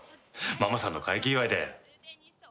ママさんの快気祝いで。